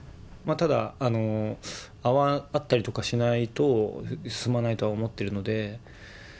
ただ、会ったりとかしないと進まないと思っているので。